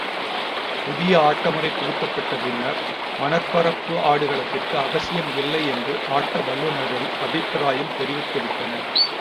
புதிய ஆட்டமுறை புகுத்தப்பட்ட பின்னர், மணற்பரப்பு ஆடுகளத்திற்கு அவசியம் இல்லை என்று ஆட்ட வல்லுநர்கள் அபிப்ராயம் தெரிவித்துவிட்டனர்.